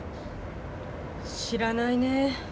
知らないねぇ。